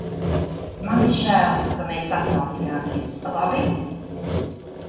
Man ir žēl, ka mēs apmaldījāmies, labi?